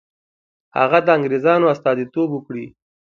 هغه د انګرېزانو استازیتوب وکړي.